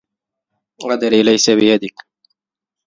قدري ليس بيديك.